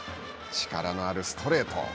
力のあるストレート。